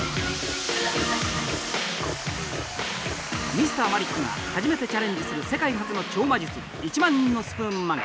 Ｍｒ．マリックが初めてチャレンジする世界初の超魔術１万人のスプーン曲げ。